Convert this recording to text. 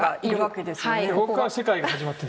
ここから世界が始まってる。